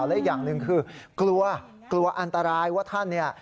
และอีกอย่างหนึ่งคือกลัวกลัวอันตรายว่าท่านเนี่ย